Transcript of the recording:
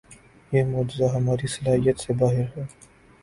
یہ معجزہ ہماری صلاحیت سے باہر ہے۔